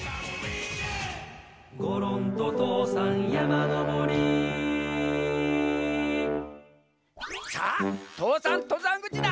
「ごろんととうさんやまのぼり」さあ父山とざんぐちだ。